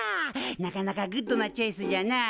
なかなかグッドなチョイスじゃなあ。